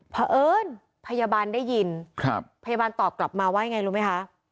เพราะเอิญพยาบาลได้ยินพยาบาลตอบกลับมาว่าไงรู้ไหมคะ